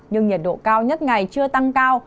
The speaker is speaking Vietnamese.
nhưng nhiệt độ cao nhất ngày chưa tăng cao